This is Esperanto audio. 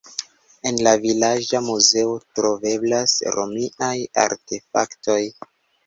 En la vilaĝa muzeo troveblas romiaj artefaktoj.